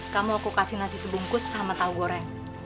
kamu aku kasih nasi sebungkus sama tahu goreng